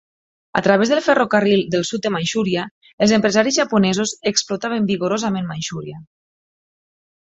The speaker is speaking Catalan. A través del ferrocarril del sud de Manxúria, els empresaris japonesos explotaven vigorosament Manxúria.